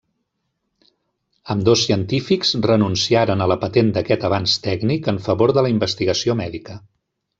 Ambdós científics renunciaren a la patent d'aquest avanç tècnic en favor de la investigació mèdica.